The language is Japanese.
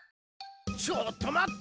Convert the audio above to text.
ちょっとまった！